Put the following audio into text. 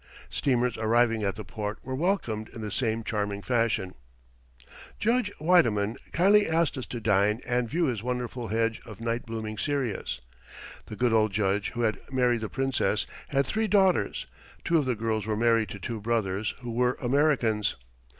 Steamers arriving at the port were welcomed in the same charming fashion. Judge Widemann kindly asked us to dine and view his wonderful hedge of night blooming cereus. The good old Judge who had married the Princess had three daughters; two of the girls were married to two brothers, who were Americans.